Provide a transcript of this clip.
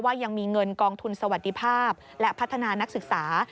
ยังมีเงินกองทุนสวัสดิภาพและพัฒนานักศึกษา